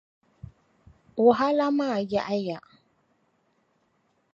Wahala maa yaɣi ya.